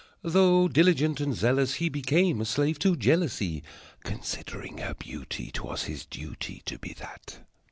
Though diligent and zealous, he Became a slave to jealousy. (Considering her beauty, 'Twas his duty To be that!)